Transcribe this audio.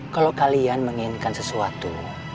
kalau kalian menginginkan sesuatu